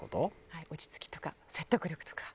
はい落ち着きとか説得力とか。